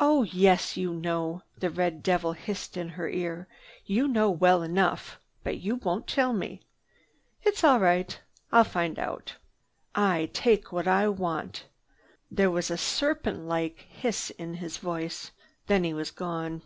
"Oh yes you know!" the red devil hissed in her ear. "You know well enough, but you won't tell. It's all right. I'll find out. I take what I want!" There was a serpent like hiss in his voice. Then he was gone.